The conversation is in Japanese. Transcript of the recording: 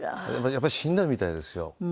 やっぱりしんどいみたいですよ。